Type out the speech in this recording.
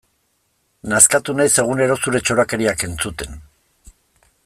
Nazkatu naiz egunero zure txorakeriak entzuten.